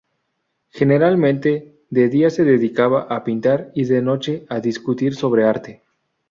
Generalmente, de día se dedicaban a pintar y de noche a discutir sobre arte.